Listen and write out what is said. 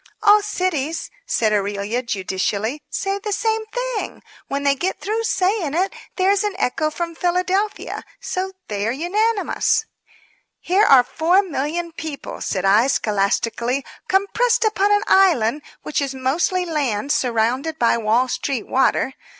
"All cities," said Aurelia, judicially, "say the same thing. When they get through saying it there is an echo from Philadelphia. So, they are unanimous." "Here are 4,000,000 people," said I, scholastically, "compressed upon an island, which is mostly lamb surrounded by Wall Street water.